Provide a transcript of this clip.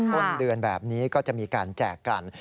ต้นเดือนแบบนี้ก็จะมีการแจกกัน